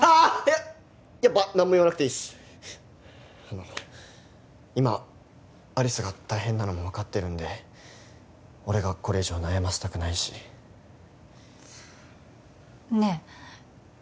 やっやっぱなんも言わなくていいっすあの今有栖が大変なのも分かってるんで俺がこれ以上悩ませたくないしねえ